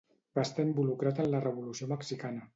Va estar involucrat en la Revolució Mexicana.